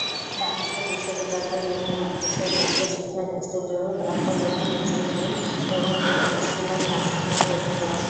দামেস্ক বিশ্ববিদ্যালয়ের বিভিন্ন অনুষদ উচ্চ শিক্ষা ইনস্টিটিউট, অন্তর্বর্তী ইনস্টিটিউট এবং একটি স্কুল অব নার্সিং নিয়ে গঠিত।